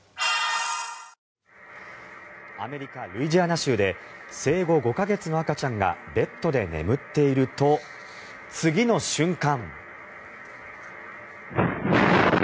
アメリカ・ルイジアナ州で生後５か月の赤ちゃんがベッドで眠っていると次の瞬間。